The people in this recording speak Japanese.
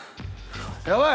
やばい！